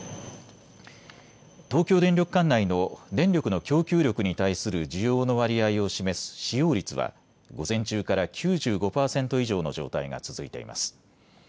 東京電力管内の電力の供給力に対する需要の割合を示す使用率は午前中から９５％以上の状態が続いています。